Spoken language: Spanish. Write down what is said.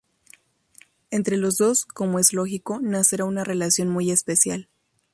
Entre los dos, como es lógico, nacerá una relación muy especial.